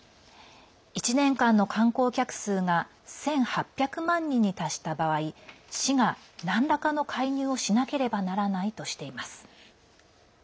１年間の観光客数が１８００万人に達した場合市が、なんらかの介入をしなければならないとしています。